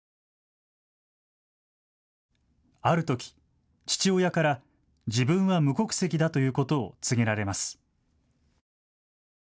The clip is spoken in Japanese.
あるとき父親から自分は無国籍だということを告げられます。